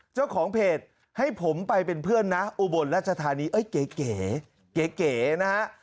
เจ้าของเพจให้ผมไปเป็นเพื่อนนะอุบลราชธานีเอ้ยเก๋เก๋นะฮะ